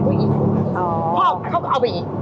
คนที่สองเป็นผู้อีก